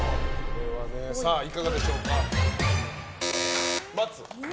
さあ、いかがでしょうか。×。